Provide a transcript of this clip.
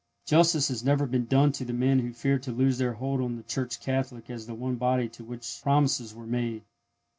Justice has never been done to the men who feared to loose their hold on the Church Catholic as the one body to which the promises were made.